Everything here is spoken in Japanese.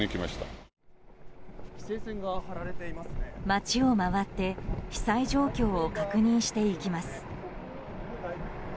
町を回って被災状況を確認していきます。